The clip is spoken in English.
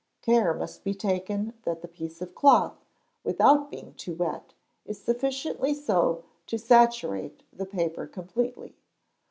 Care must be taken that the piece of cloth, without being too wet, is sufficiently so to saturate the paper completely.